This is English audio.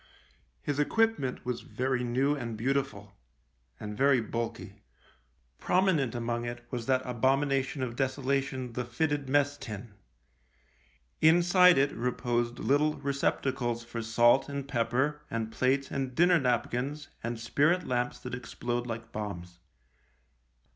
His equipment was very new and beautiful ■— and very bulky. Prominent among it was that abomination of desolation the fitted mess tin. Inside it reposed little receptacles for salt and pepper and plates and dinner napkins and spirit lamps that explode like bombs.